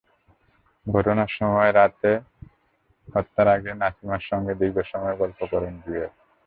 ঘটনার সময় রাতে হত্যার আগে নাসিমার সঙ্গে দীর্ঘ সময় গল্প করেন জুয়েল।